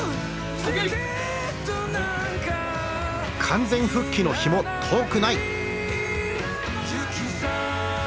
完全復帰の日も遠くない。